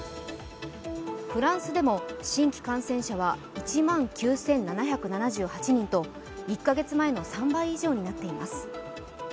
フランスでも新規感染者は１万９７７８人と１カ月前の３倍以上になっています。